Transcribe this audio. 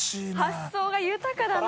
発想が豊かだな。